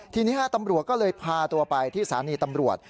ทีนี้ตำรวจก็เลยพาตัวไปที่สถานีตำรวจ